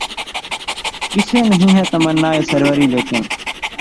کسے نہیں ہے تمنائے سروری ، لیکن